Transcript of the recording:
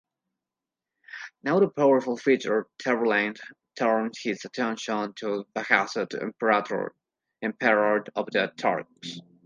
Now a powerful figure, Tamburlaine turns his attention to Bajazeth, emperor of the Turks.